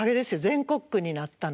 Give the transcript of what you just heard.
全国区になったの。